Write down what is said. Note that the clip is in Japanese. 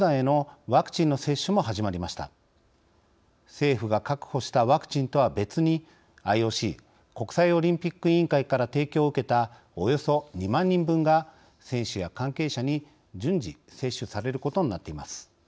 政府が確保したワクチンとは別にＩＯＣ＝国際オリンピック委員会から提供を受けたおよそ２万人分が選手や関係者に順次接種されることになっています。